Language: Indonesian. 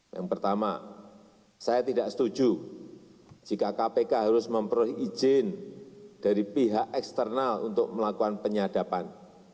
yang pertama saya tidak setuju jika kpk harus memperoleh izin dari pihak eksternal untuk melakukan penyadapan